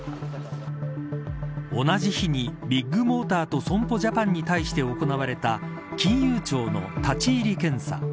同じ日に、ビッグモーターと損保ジャパンに対して行われた金融庁の立ち入り検査。